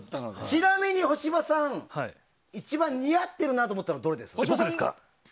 ちなみに干場さんが一番似合ってるなと思ったのはどれですか？